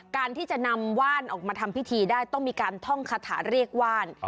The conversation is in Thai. การที่จะนำว่านออกมาทำพิธีได้ต้องมีการท่องคาถาเรียกว่าน